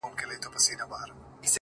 اوس په لمانځه کي دعا نه کوم ښېرا کومه’